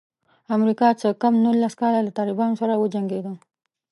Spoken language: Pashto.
امریکا څه کم نولس کاله له طالبانو سره وجنګېده.